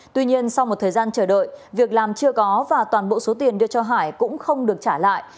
tuy nhiên sau một thời gian chờ đợi việc làm chưa có và toàn bộ số tiền đưa cho hải cũng không được trả lại